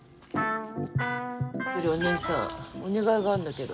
お姉さんお願いがあるんだけど。